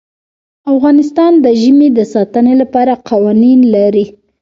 افغانستان د ژمی د ساتنې لپاره قوانین لري.